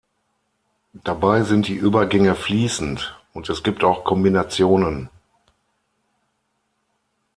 Dabei sind die Übergänge fließend, und es gibt auch Kombinationen.